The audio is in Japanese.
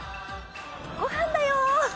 ごはんだよ